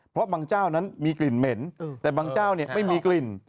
เพราะบางเจ้านั้นมีกลิ่นเหม็นแต่บางเจ้าเนี่ยไม่มีกลิ่น